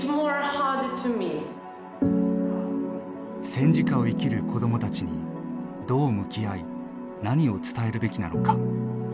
戦時下を生きる子どもたちにどう向き合い何を伝えるべきなのか。